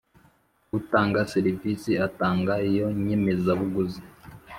utanga serivisi atanga Iyo nyemezabuguzi